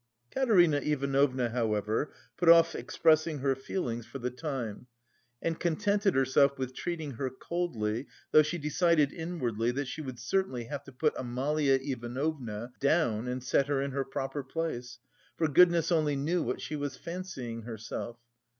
Katerina Ivanovna, however, put off expressing her feelings for the time and contented herself with treating her coldly, though she decided inwardly that she would certainly have to put Amalia Ivanovna down and set her in her proper place, for goodness only knew what she was fancying herself.